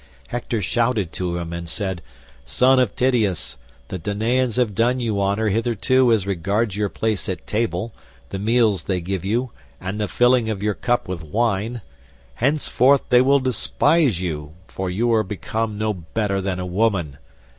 Hector shouted to him and said, "Son of Tydeus, the Danaans have done you honour hitherto as regards your place at table, the meals they give you, and the filling of your cup with wine. Henceforth they will despise you, for you are become no better than a woman.